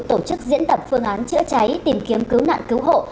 tổ chức diễn tập phương án chữa cháy tìm kiếm cứu nạn cứu hộ